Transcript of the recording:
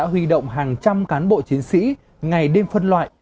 huy động hàng trăm cán bộ chiến sĩ ngày đêm phân loại